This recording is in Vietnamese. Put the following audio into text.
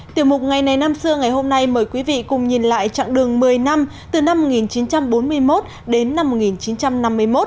tiểu mục ngày này năm xưa ngày hôm nay mời quý vị cùng nhìn lại trạng đường một mươi năm từ năm một nghìn chín trăm bốn mươi một đến năm một nghìn chín trăm năm mươi một